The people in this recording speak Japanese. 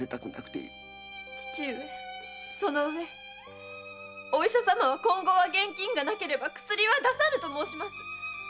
父上そのうえお医者様は今後は現金がなければ薬は出さぬと申します！